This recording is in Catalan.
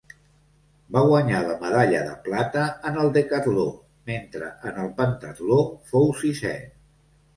Va guanyar la medalla de plata en el decatló, mentre en el pentatló fou sisè.